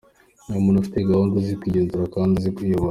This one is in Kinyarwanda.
Ni umuntu ufite gahunda, uzi kwigenzura kandi uzi kuyobora.